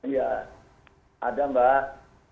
iya ada mbak